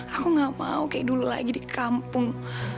aku gak mau kayak dulu lagi di kampung